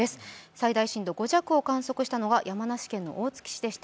最大震度５弱を観測したのは山梨県の大月市でした。